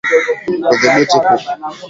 Kudhibiti kupe